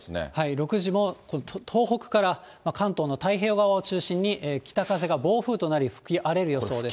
６時も東北から関東の太平洋側を中心に北風が暴風となり吹き荒れる予想です。